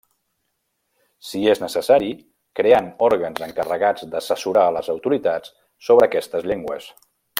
Si és necessari creant òrgans encarregats d'assessorar a les autoritats sobre aquestes llengües.